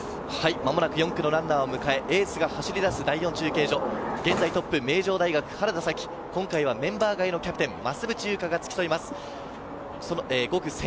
まもなく４区のランナーを迎え、エースが走り出す第４中継所、現在トップ、名城大学・原田紗希、今回はメンバー外の増渕祐香が付き添います。